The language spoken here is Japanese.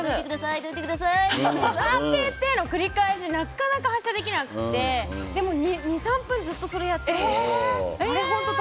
開けて！の繰り返しでなかなか発車できなくてでも、２３分ずっとそれやってたんですよ。